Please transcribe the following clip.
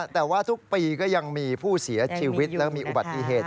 แต่ว่าทุกปีก็ยังมีผู้เสียชีวิตและมีอุบัติเหตุ